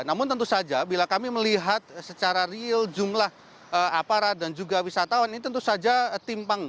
namun tentu saja bila kami melihat secara real jumlah aparat dan juga wisatawan ini tentu saja timpang